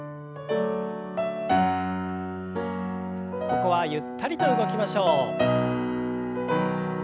ここはゆったりと動きましょう。